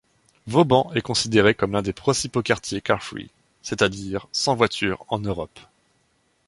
Vauban est considéré comme l'un des principaux quartiers Carfree, c'est-à-dire sans voitures, en Europe.